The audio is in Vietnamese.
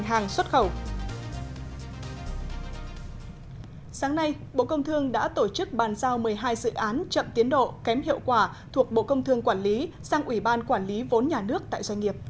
sáng nay bộ công thương đã tổ chức bàn giao một mươi hai dự án chậm tiến độ kém hiệu quả thuộc bộ công thương quản lý sang ủy ban quản lý vốn nhà nước tại doanh nghiệp